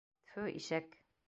Тфү, ишәк!